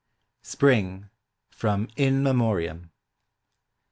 91 SPRING. FROM " IN MEMORIAM."